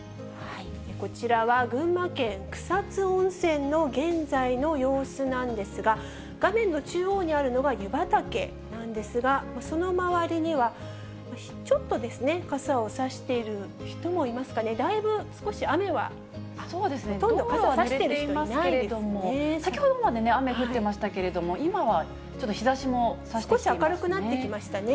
こちらは群馬県草津温泉の現在の様子なんですが、画面の中央にあるのが湯畑なんですが、その周りには、ちょっとですね、傘を差している人もいますかね、だいぶ、少し雨は、ほとんど、道路はぬれていますけれども、先ほどまで雨降っていましたけれども、今はちょっと日ざしもさしてきていますね。